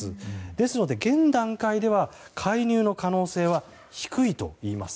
ですので、現段階では介入の可能性は低いといいます。